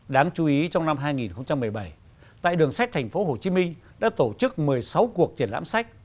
đáng chú ý trong năm hai nghìn một mươi bảy tại đường sách thành phố hồ chí minh đã tổ chức một mươi sáu cuộc triển lãm sách